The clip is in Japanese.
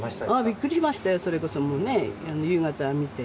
びっくりしましたよ、それこそもうね、夕方見て。